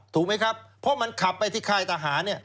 ถูกไหมครับเพราะมันขับไปที่ค่ายทหารเนี่ย